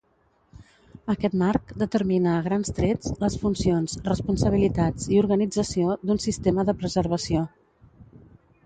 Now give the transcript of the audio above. Aquest marc determina, a grans trets, les funcions, responsabilitats i organització d'un sistema de preservació.